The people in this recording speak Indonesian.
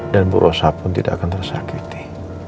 dan burosah pun tidak akan tersakiti